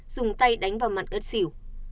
dùng tay đánh vào mặt ất xỉu